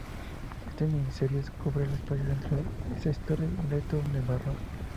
Esta miniserie cubre el espacio entre esa historia y Return to Barrow.